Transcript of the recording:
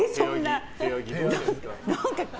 何か。